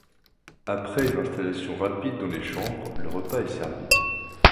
Après une installation rapide dans les chambres, le repas est servi.